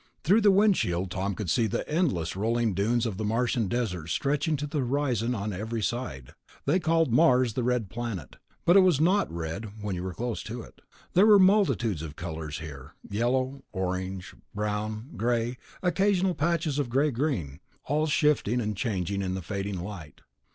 Through the windshield Tom could see the endless rolling dunes of the Martian desert stretching to the horizon on every side. They called Mars the Red Planet, but it was not red when you were close to it. There were multitudes of colors here ... yellow, orange, brown, gray, occasional patches of gray green ... all shifting and changing in the fading sunlight.